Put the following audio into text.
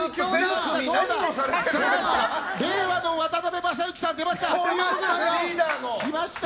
令和の渡辺正行さんが出ました！